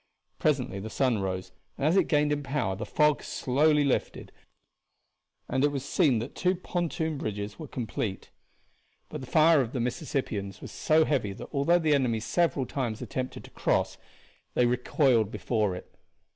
Presently the sun rose, and as it gained in power the fog slowly lifted, and it was seen that the two pontoon bridges were complete; but the fire of the Mississippians was so heavy that although the enemy several times attempted to cross they recoiled before it.